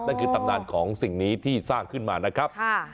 นั่นคือตำนานของสิ่งนี้ที่สร้างขึ้นมานะครับ